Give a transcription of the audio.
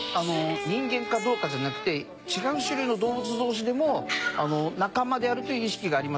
人間かどうかじゃなくて違う種類の動物同士でも仲間であるという意識があります。